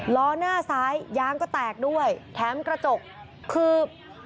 ล้อหน้าซ้ายยางก็แตกด้วยแถมกระจกคือ